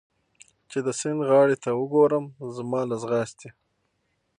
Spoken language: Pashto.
چې د سیند غاړې ته وګورم، زما له ځغاستې.